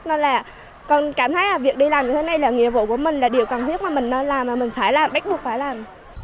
nên là con cảm thấy là việc đi làm như thế này là nhiệm vụ của mình là điều cần thiết mà mình nên làm mà mình phải làm bắt buộc phải làm